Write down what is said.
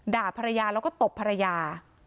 ด่าภรรยาแล้วก็ตบภรรยา